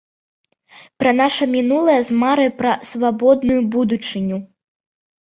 Пра наша мінулае з марай пра свабодную будучыню.